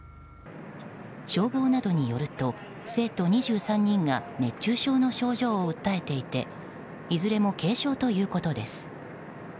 消防などによると生徒２３人が熱中症の症状を訴えていていずれも軽症ということです。